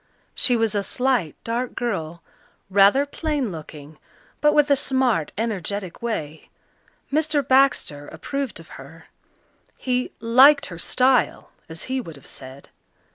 She was a slight, dark girl, rather plain looking, but with a smart, energetic way. Mr. Baxter approved of her; he "liked her style," as he would have said.